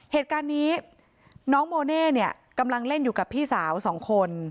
เหตุการณ์นี้น้องโมเน่เนี่ยกำลังเล่นอยู่กับพี่สาวสองคน